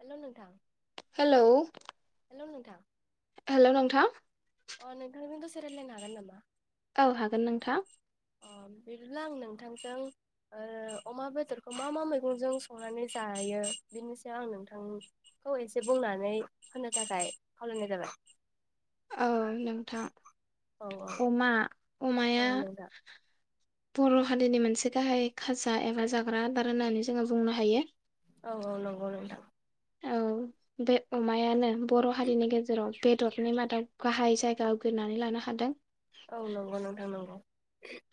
Hello हेल' hello नोंथां। Hello नोंथां। अ नोंथांजों दसे रायलायनो हागोन नामा? औ हागोन नोंथां। अ बिदिब्ला आं नोंथांजों ओ अमा बेदरखौ मा मा मैगंजों संनानै जायो? बेनि सायाव आं नोंथांखौ एसे बुंनानै होनो थाखाय खावलायनाय जाबाय। औ नोंथां, औ अमा औ अमाया नोंथां बर' हारिनि मोनसे गाहाय खाजा एबा जाग्रा आदार होननानै जोङो बुंनो हायो। औ औ नंगौ नोंथां। औ बे अमायानो। बर' हारिनि गेजेराव बे टलनि [unintelligible] मादाव गाहाय जायगा आवग्रिनानै लानो हादों। औ नंगौ नोंथां नंगौ।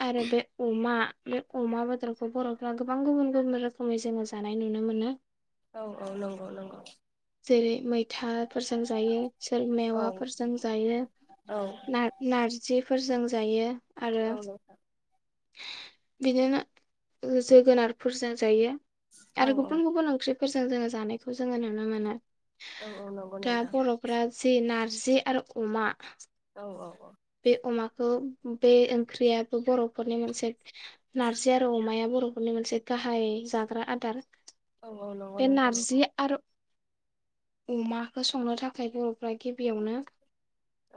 आरो बे अमा बे अमा बेदरखौ बर'फ्रा गोबां गुबुन गुबुन रोखोमै जोङो जानाय नुनो मोनो। औ औ नंगौ नंगौ। जेेरे मै थाफोरजों जायो सोर औ मेवाफोरजों जायो। औ नार नारजि फोरजों जायो आरो औ नोथां बिदिनो जोगोनारफोरजों जायो औ आरो गुबुन गुबुन ओंख्रिफ फोरजों जोङो जानायखौ जोङो नुनो मोनो। औ औ नंगौ दा नोंथां बर'फ्रा जि नार जे आरो अमा औ औ औ खौ बे ओंख्रिया बर'फोरनि मोनसे नारजि आरो अमाया बर'फोरनि मोनसे गाहाय जाग्रा आदार औ औ नंगौ बे नोंथां नंगौ नारजि आरो अमाखौ संनो थाखाय जों गिबियावनो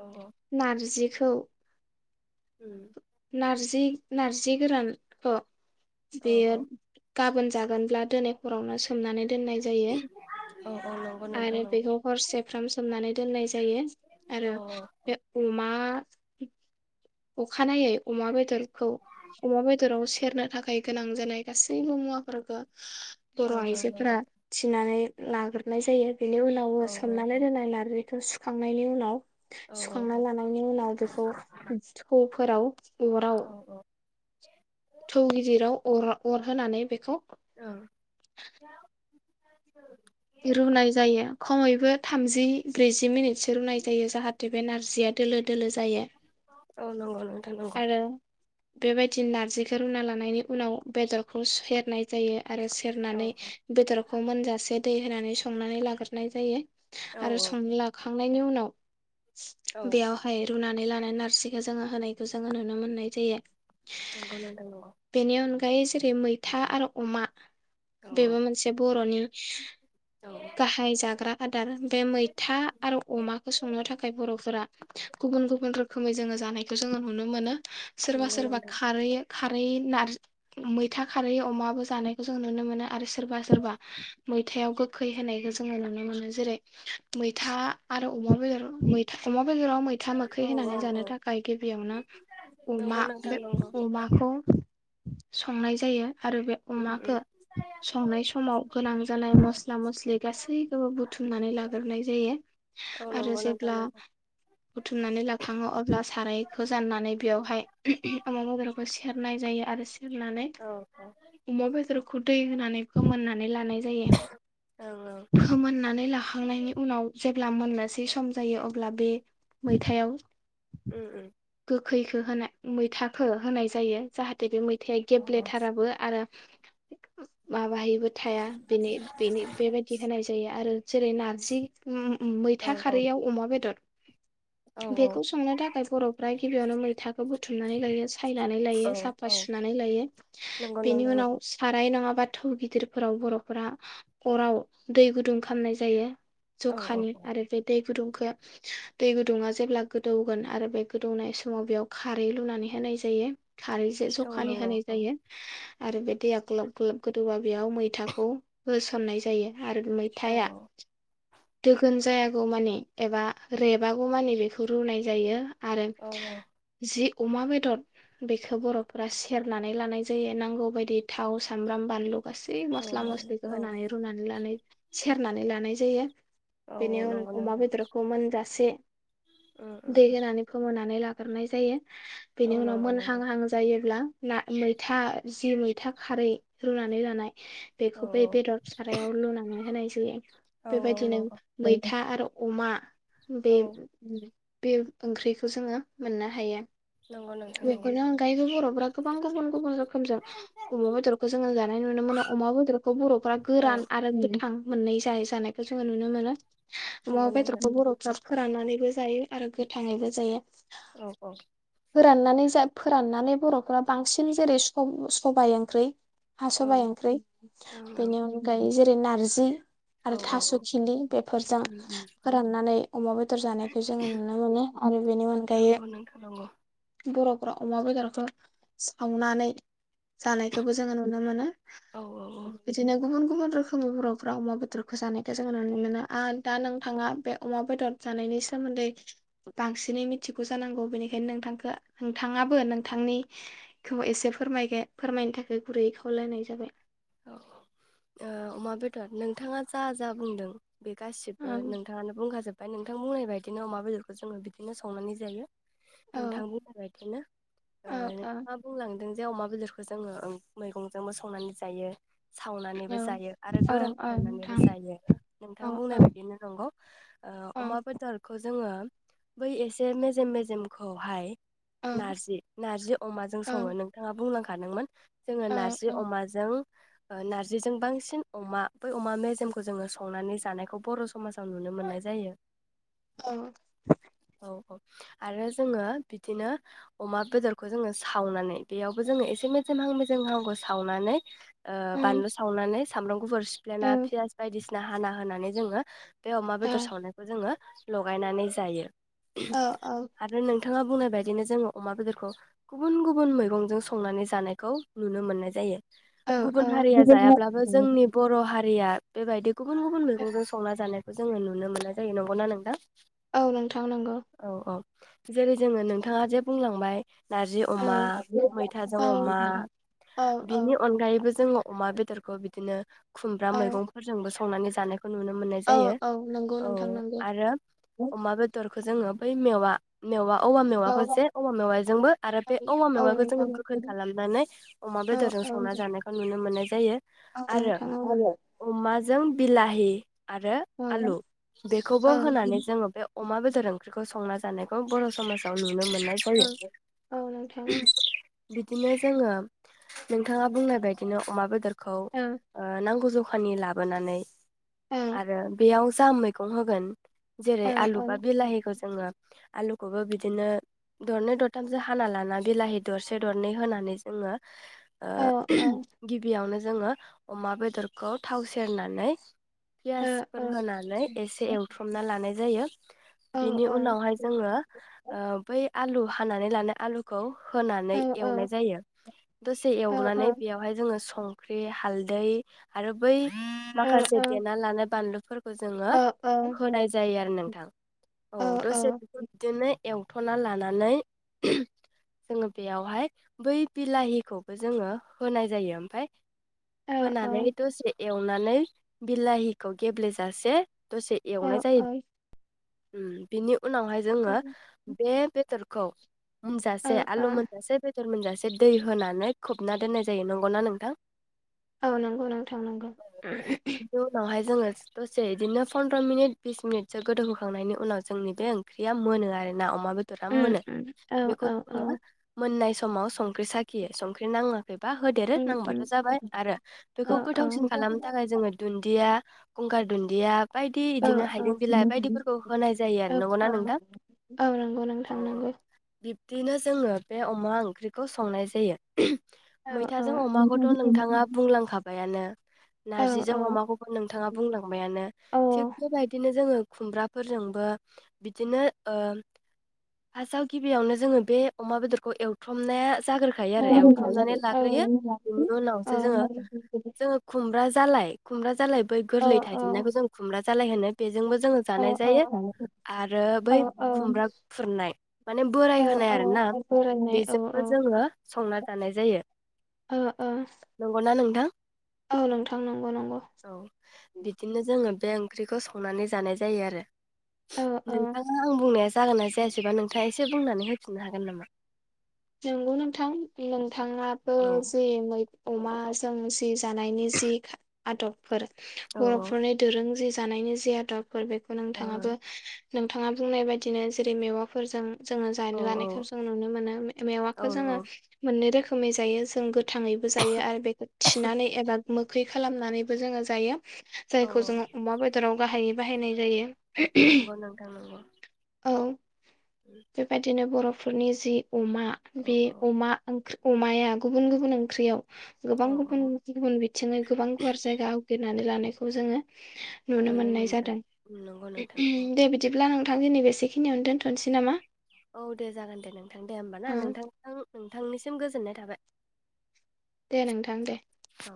औ नारजि [unintelligible] उम नारजि नारजि गोरानख औ बेयोद गाबोन जागोनब्ला दोनै हरावनो सो सोमनानै दोननाय जायो औ औ नंगौ नोंथां आरो नंगौ बेखौ हरसेफ्राम सोमनानै दोननाय जायो औ आरो बे अमा अखानायनायै अमाबेद बेदखौ अमा बेदराव सेरनो थाखाय गोनां जानाय गासैबो मुवाफोरखौ औ बर' आइजोफोरा थिनानै लाग्रोनाय जायो बेनि औ उनावबो सोमनानै दोननाय नार्जिखौ सुखांनायनि उनाव सुखांना लानायनि उनाव बेखौ [unintelligible] फोराव औ अराव औ थौ गिदिराव अर अरहोनानै बेखौ औ रुनाय जायो खमैबो थामजि ब्रैजि मिनिटसो रुनाय जायो जाहाथे बे नारजिया दोलो दोलो जायो औ नंगौ नो नंगौ आरो बेबायदि नारजिखौ रुना लानायनि उनाव बेदरखौ सु सेरनाय जायो। आरो औ सेरनानै बेदरखौ मोनजासे दै होनानै संनानै लाग्रोनाय जायो‌। औ आरो संनो औ लाखांनायनि उनाव बेयावहाय रुनाय नै नारसिखौ जोङो होनाय खौ जोङो नुनो मोननाय जायो। नंगौ नोंथां नंगौ गायै जेरै मैथा आरो अमा औ बेबो औ मोनसे नंगौ बर'नि नोंथां गाहाय जाग्रा आदार बे मैथा आरो अमाखौ संनो थाखाय बर'फोरा गुबुन गुबुन रोखोमै जोङो जानाय खौ जोङो नुनो मोनो। सोरबा सोरबा खारै खारै नार्ज मैथा खारै अमाबो जानायखौ जों नुनो मोनो आरो सोरबा सोरबा मै थायाव गो खै होनायखो जोङो नुनो मोनो जेरै मैथा आरो अमा बेदर मैथा अमा बेेदराव मैथा मोखै औ होनानै जानो थाखाय गिबियावनो औ नंगौ अमा नोंथां बे नंगौ अमाखौ संनाय जायो। आरो बे उम अमाखो उम संनाय समाव गोनां जानाय मस ला मस्लि गासैखोबो बुथुमनानै लाग्रोनाय जायो औ आरो नंगौ नोंथां जेब्ला नंगौ बुथुमनानै लाखाङो अब्ला सारायखो जाननानै बेयावहाय अमा बेदरखौ सेरनाय जायो आरो सेरनानै औ अमा बेदरखौ दै होनानै फोमोननानै लानाय जायो। औ औ फोमोननानै ला खांनायनि उनाव जेब्ला मोननोसै बे सम जायो अब्ला बे मैथायाव उम उम गोग खैखो होना मैथाखो होनाय जायो जाहाथे बे मै थाया औ औ गेब्लेथाराबो आरो माबाहैब बो थाया बेनि बेनि बेबायदि होनाय जायो आरो जेरै नारजि उम उम मैथा खारैयाव अमा बेदर औ बेखौ सोंनो थाखाय बर'फ्रा गिबियावनो मैथाखौ बुथुमनानै लायो सायनानै औ लायो साफा औ सुनानै लायो नंगौ बेनि नोंथां उनाव नंगौ साराय नङाबा थौ गिदिरफोराव बर'फोरा अराव दै गुदुं खामनाय जायो। औ औ जखानि आरो बे दै गुदुंखो दै गुदुङा जेब्ला गोदौगोन आरो बे गोदौनाय समाव बेयाव खारै लुनानै होनाय जायो। खारैसे औ जखालि नंगौ होनाय औ जायो। आरो बे दैया ग्लाब ग्लब गोदौबा बेयाव मैथाखौ होस सननाय जायो। आरोथ औ मैथाया दोगोन जायागौ मानि एबा रेबागौ मानि बेखौ रुनाय जायो। आरो औ जि अमा बेदद बेखौ बर'फोरा सेरनानै लानाय जायो नांगौ बायदि थाव, सामब्राम, बानलु गासै मस्ला मस्लिखो औ होनानै [unintelligible] सेरनानै ला नाय जायो। बेनि औ उन नंगौ अमा नोंथां बेदरखौ मोनजासे उम दै उम होनानै फोमोनानै ला ओरनाय जायो। औ बेनि उनाव नंगौ नोंथां मोनहांहां जायोब्ला ना मैथा जि मैथा खारै रुनानै लानाय औ बेखौ बै बेदद सारायाव लुनानै होनाय जायो औ औ बेबायदिनो नंगौ मैथा आरो अमा बे औ बे ओंख्रिखो जोङो मोननो हायो। नंगौ नोंथां नंगौ बेफोरनि अनगायैबो बर'फोरा गोबां गुबुन गुबुन रोखोमजों अमा बेदरखो जोङो जानाय नुनो मोनो अमा बेदरखौ बर'फ्रा औ गोरान आरो गोथ थां मोननै जाय जानायखौ जोङो नुनो मोनो। अमा नंगौ नोंथां बेदरखौ बर'फ्रा फोराननानैबो जायो आरो गोथाङैबो जायो। औ औ फोराननानै जा फोराननानै बर'फोरा बांसिन जेरै सब सबाइ ओंख्रै हा औ सबाइ ओंख्रै बेनि अन ओइ जेरै नारजि औ आरो औ थास' औ खिलि बेफोरजों उम उम फोराननानै अमा बेदर जानायखो जोङो नुनो मोनो आरो बेनि अनगायै नंगौ नोंथां नंगौ [inaudible] बर' अराव अमा बेदरखो सावनानै जानायखौबो जोङो नुनो मोनो औ बिदिनो गुबुन गुबुन रोखोमनि बर'फोरा अमा बेदरखौ जानायखौ जोङो नुनो मोनो आरो दा नोंथाङा बे अमा बेदर जानायनि सोमोन्दै बांसिनै मिथिगौ जानांगौ बेनिखायनो नोंथांखौ नोथाङाबो नोंथांनि खौ एसे फोरमायगो फोरमायनो थाखाय गुरैयै खावलायनाय जाबाय ओ अमा बेदर नोंथाङा जा जा बुंदों बे गासिबो ओं नोंथाङानो बुंखाजोब ओमफ्राय नोंथां बुंनाय बायदिनो अमा बेदरखौ जोङो बिदिनो संनानै जायो औ नोंथां बुंनाय बायदिनै औ औ नोंथाङा बुंलांदों जे बे अमा बेदरखौ जोङो ओं मैगंजोंबो संनानै जा जायो सावनानैबो औ जायो आरो औ गोरान औ फोराननानैबो नोंथां जायो नोंथां औ औ बुंनाय बायदिनो नंगौ ओ औ अमा बेदरखौ जोङो बै एसे मेजेम मेजेमखौहाय नारजि नारजि अमाजों औ सङो नोंथाङा बुंलां खादोंमोन जोङो औ नारजि औ अमा ओ नार्जिजों बांसिन अमा बै अमा मेजेमखौ जोङो संनानै जानायखौ बर' समाजाव नुनो मोननाय जायो औ औ औ आरो जोङो बिदिनो अमा बेदरखौ जोङो सावनानै बेयावबो जोङो एसे मेजेहां मेजेमहांखौ सावनानै ओ उम बानलु सावनानै [unintelligible] गुफुर औ सिफ्लेना फियास बायदिसिना ना हाना होनानै जोङो बे अमा औ बेदर सावनायखौ जोङो लगायनानै जायो औ औ आरो नोंथाङा बुंनाय बेबायदिनो जोङो अमा बेदरखौ गुबुन गुबुन मैगंजों संनानै जानायखौ नुनो मोननाय जायो औ गुबुन औ हारिया जायाब्लाबो जोंनि बर' हारिया बेबायदि गुबुन गुबुन मैगंजों संना जानाय जोङो नुनो मोननाय जायो नंगौना नोंथां औ नोंथां नंगौ औ औ जेरै जोङो नोंथाङा जे बुंलांबाय नारजि औ अमा मैथाजों औ अमा औ बिनि अनगायैबो जोङो अमा बेदरखौ बिदिनो खुमब्रा औ मैगंफोरजोंबो स संनानै जानाय खौ नुनो मोननाय औ जायो औ नंगौ औ नोंथां नंगौ आरो अमा बेदर जोङो बै मेवा मेवा औवा औ मेवाखौ जे औवा मेवाजोंबो आरो बे औवा औ मेवाखौ जोंङ नोंथां गोखै खालामनानै अमा बे औ संना जानायखौ नुनो मोननाय जायो। औ नोंथाङा औ जों बिलाहि आरो औ आलु बेखौबो औ होनानै जोङो बे अमा बेदर ओंख्रिखौ संना जा नाइखौ बर' समाजाव नु नुनो मोननाय जायो। औ नोंथां बिदिनो जोङो नोंथाङा बुंनाय बायदिनो अमा बेदरखौ औ नांगौ जख खानि लाबोनानै आरो बेयाव जा मैगं होगोन जेरै आलु बा बिलाहिखौ जोङो आलुखौबो बिदिनो दरनै दरथामसो हाना लाना बिलाहि दरसे दरनै होनानै जोङो ओ गिबियावनो जो जोङो अमा बेदरखौ थाव सेरनानै पियासफोर होनानै एसे एवथ्रमना लानाय जायो बेनि उनावहाय जोङो ओ बै आलु हानानै लानाय आलुखौ होनानै एवनाय जायो। दसे एवनानै बेयावहाय जोङो संख्रि हाल हालदै आरो बै माखासे देना लानाय बानलुफोरखौ जोङो होनाय जायो आरो नोंथां औ दसे बेखौ बिदिनो एवथ'ना लानानै जोङो बेयावहाय बै बिलाहि खौबो जोङो होनाय जायो ओमफाय होनानै दसे एवनानै बिलाहिखौ गेब्लेेजासे ए दसे एवनाय जायो। हम बिनि उनावहाय जोङो बे बेदरखौ मोनजासे आलु मोनजासे बे सोर मोनजासे दै होनानै खोबना दोननाय जायो नंगौना नोंथां औ नंगौ नोंथां नांगौ बिनि उनावहाय जोङो दसे बिदिनो फन्द्र' मिनिट बिस मिनिटसो गोदौहोखांनायनि उनाव जोंनि बे ओंख्रिया मोनो आरोना अमा बेदरा उम मोनो उम औ बेखौ औ औ जोङो मोननाय सम समाव संख्रि सा खि संख्रि नाङो बा होदेरो उम नांबाथ' उम जाबाय आरो औ बेखौ औ गोथावसिन खालामनो थाखाय जोङो दुन्दिया गंगार दुन्दिया बायदि औ बिदिनो हाइजें बिलाइ बायदिफोरखौ होनाय जायो औ आरो नंगौना औ नोंथां औ नंगौ औ नोंथां औ नंगौ बिब्दिनो जोङो बे अमा ओंख्रिखौ संनाय जायो औ औ मैथाजों अमाखौथ' नोंथाङा बुंलांखा माबायानो औ औ नारजिजों अमाखौबो नोंथाङा बुंलांबायानो थिग बेबायदिनो जोङो खुमब्राफोरजोंबो बिदिनो ओ फारसाव गिबियावनो जोङो बे अमा बेदरखौ एवफ्रामनाया जागोन खायो आरो एवफ्रामनानै लाग्रोयो बेनि औ उनावसो जोङो औ जोङो खुमब्रा जालाय खुमब्रा जालाय बै औ गोरलै थाइजेनन्नायखौ जों खुमब्रा जालाय होनोनो बेजोंबो जोङो औ जानाय औ जायो आरो औ बै औ खुमब्रा खुरनाय माने बोराय औ होनाय आरोना औ बोरायनाय औ बेजोंबो औ जोङो संना जानाय जायो ओ ओ नंगौ ना नोंथां औ नोंथां नंगौ नंगौ औ बिदिनो जोङो बे ओंख्रिखौ संनानै जानाय जायो आरो औ औ नोंथाङा आं बुंनाय जागोनना जायासैबा नोंथाङा एसे बुंनानै होफिननो हागोन नामा? नंगौ नोंथां नों थाङाबो औ जे मै अमाजों जि जानायनि जि आदब फोर औ बर'फोरनि दोरों जि जानायनि जे आदब फोर बेखौ औ नोंथाङाबो नोंथाङा बुंनाय बायदिनो जेरै मेवाफोरजों जोङो औ जानो लानायखौ जों नुनो मोनो मे औ मेवाखो जोङो मोननै रो खोमै जायो जों गो थाङैबो जायो आरो बेखौ थिनानै एबा मोखै खालामनानैबो जोङो जायो। औ जायखौ जोङो अमा बेदराव बाहायो बाहायनाय जायो। नंगौ नोंथां नंगौ। औ बेबायदिनो बर' फोरनि जि अमा औ बे औ अमा ओं अमाया गुबुन गुबुन ओंख्रियाव गोबां औ गुबुन औ गुबुन बिथिङै गोबां गुवार जायगा आवग्रि नानै लानायखौ जोङो नुनो मोननाय जादों नंगौ नोंथां नंगौ दे बिदिब्ला नों थां दिनै बेसेखिनियावनो दोनथ'नोसै नामा? औ दे जागोन दे नों थां दे ओमबा ना नोंथां नोंथांनिसि गोजोननाय थाबाय। दे नोंथां दे। औ